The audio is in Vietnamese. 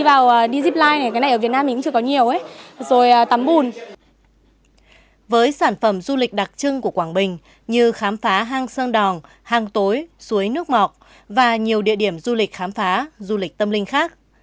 với sản phẩm du lịch đặc trưng của quảng bình như khám phá hang sơn đòn hang tối suối nước mọc và nhiều địa điểm du lịch khám phá du lịch tâm linh khác